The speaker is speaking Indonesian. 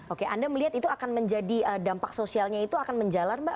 oke anda melihat itu akan menjadi dampak sosialnya itu akan menjalar mbak